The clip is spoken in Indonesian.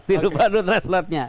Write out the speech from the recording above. dirubah dulu traslatnya